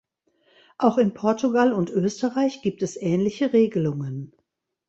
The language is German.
Auch in Portugal und Österreich gibt es ähnliche Regelungen.